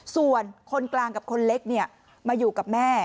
ส่วนคนกลางกับคนเล็กมาอยู่กับแม่